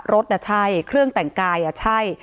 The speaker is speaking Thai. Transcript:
รถอ่ะใช่เครื่องแต่งกายอ่ะใช่